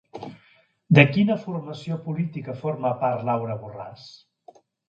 De quina formació política forma part Laura Borràs?